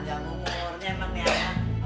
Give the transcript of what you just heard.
gak betul nih